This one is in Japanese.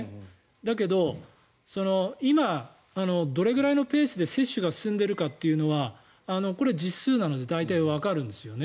だけど今、どれぐらいのペースで接種が進んでいるかというのはこれは実数なので大体わかるんですよね。